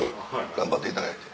頑張っていただいて。